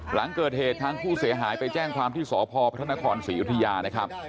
หลังเกิดเหตุทางผู้เสียหายไปแจ้งความที่สพพระนครศรีอยุธยานะครับ